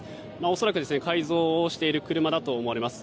恐らく、改造をしている車だと思われます。